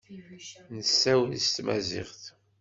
Nessawel s tmaziɣt.